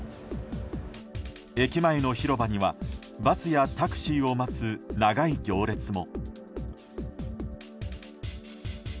駅前の広場には、バスやタクシーを待つ長い行列も。